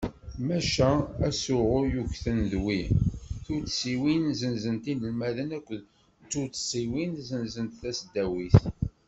Maca asuɣu yugten d wi: Tuddsiwin senzent inelmaden akked Tuddsiwin senzent tasdawit.